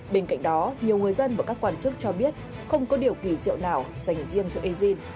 bên cạnh đó nhiều người dân và các quan chức cho biết không có điều kỳ diệu nào dành riêng cho egin